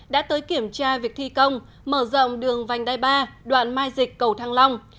đã tới kiểm tra việc thi công mở rộng đường vành đai ba đoạn mai dịch cầu thăng long